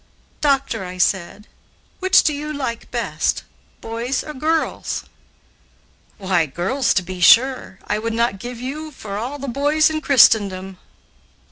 "Doctor," said I, "which do you like best, boys or girls?" "Why, girls, to be sure; I would not give you for all the boys in Christendom."